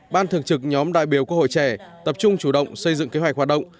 ban thường trực nhóm đại biểu quốc hội trẻ tập trung chủ động xây dựng kế hoạch hoạt động